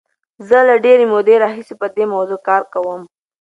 زه له ډېرې مودې راهیسې په دې موضوع کار کوم.